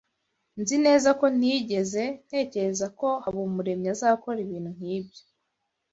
Nzi neza ko ntigeze ntekereza ko Habumuremyi azakora ibintu nkibyo.